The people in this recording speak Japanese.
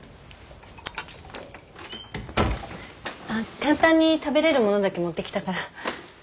簡単に食べれるものだけ持ってきたから。